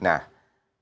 ini adalah satu satunya